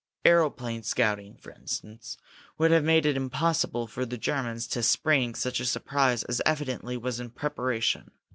Aeroplane scouting, for instance, would have made it impossible for the Germans to spring such a surprise as evidently was in preparation.